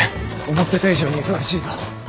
思ってた以上に忙しいぞ。